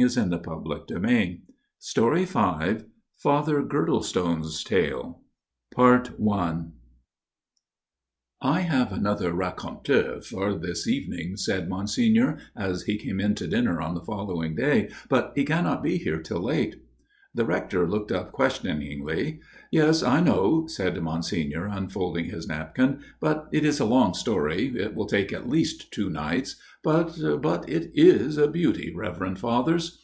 V Father Girdlestone's Tale Father Girdlestone's Tale 44 T HAVE found another raconteur for this X evening," said Monsignor as he came in to jdinner on the following day, " but he cannot be here till late." The Rector looked up questioningly. " Yes, I know," said Monsignor unfolding his napkin. " But it is a long story ; it will take at least two nights ; but but it is a beauty, reverend Fathers."